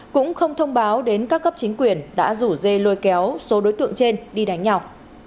cũng không thông báo đến các cấp chính quyền đã rủ dê lôi kéo số đối tượng trên đi đánh nhau